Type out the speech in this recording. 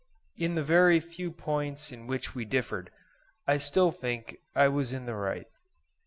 In the very few points in which we differed, I still think that I was in the right.